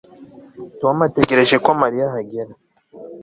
Tom ategereje ko Mariya ahagera